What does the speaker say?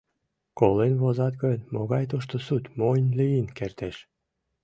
— Колен возат гын, могай тушто суд монь лийын кертеш?